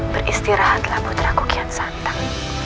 beristirahatlah putraku kian santan